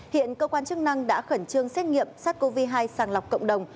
hiện cơ quan chức năng đã khẩn trương xét nghiệm sars cov hai sàng lọc cộng đồng